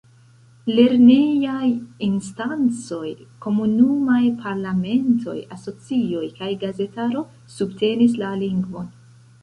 Lernejaj instancoj, komunumaj parlamentoj, asocioj kaj gazetaro subtenis la lingvon.